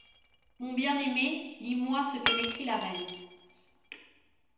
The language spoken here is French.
Mon bien-aimé, lis-moi ce que m’écrit la reine.